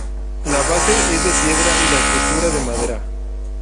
La base es de piedra y la estructura de madera.